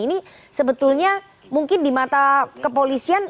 ini sebetulnya mungkin di mata kepolisian